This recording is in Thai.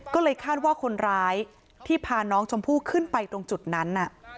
ก็เลยคาดว่าคนร้ายที่พาน้องชมพู่ขึ้นไปตรงจุดนั้น